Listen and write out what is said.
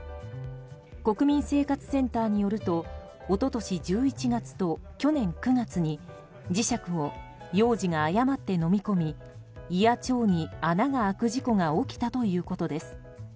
国民生活センターによると一昨年１１月と去年９月に磁石を幼児が誤って飲み込み胃や腸に穴が開く事故が起きたということです。